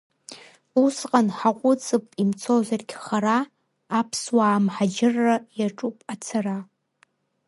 Усҟан ҳаҟәыҵып имцозаргь хара, аԥсуаа мҳаџьырра иаҿуп ацара…